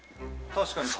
確かに。